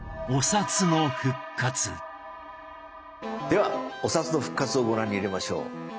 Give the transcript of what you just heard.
ではお札の復活をご覧に入れましょう。